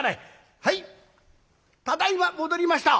はいただいま戻りました」。